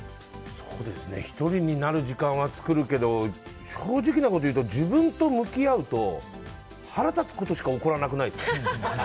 １人になる時間は作るけど正直なこと言うと自分と向き合うと腹立つことしか起こらなくないですか。